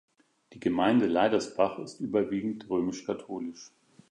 Die Gemeinde Leidersbach ist überwiegend römisch-katholisch.